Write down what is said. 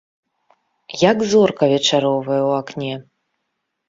Як зорка вечаровая ў акне.